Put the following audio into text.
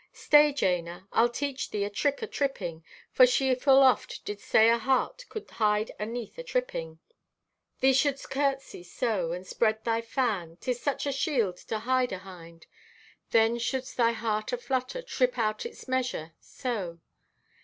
Stay, Jana, I'll teach thee a trick o' tripping, for she full oft did say a heart could hide aneath a tripping. "Thee shouldst curtsey so; and spread thy fan. 'Tis such a shield to hide ahind. Then shouldst thy heart to flutter, trip out its measure, so.